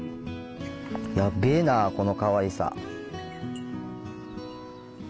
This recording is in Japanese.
やべえなこのかわいさ。